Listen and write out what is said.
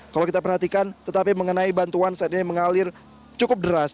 kalau kita perhatikan tetapi mengenai bantuan saat ini mengalir cukup deras